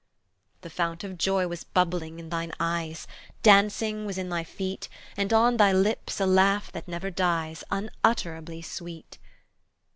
The fount of joy was bubbling in thine eyes, Dancing was in thy feet, And on thy lips a laugh that never dies, Unutterably sweet.